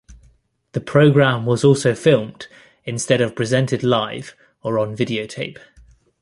The program was also filmed instead of presented live or on videotape.